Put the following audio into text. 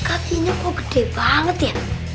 kakinya kok gede banget ya